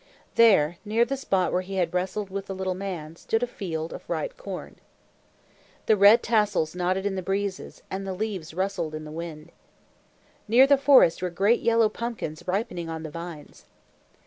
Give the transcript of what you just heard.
There, near the spot where he had wrestled with the little man, stood a field of ripe corn. The red tassels nodded in the breezes, and the leaves rustled in the wind. Near the forest were great yellow pumpkins ripening on the vines.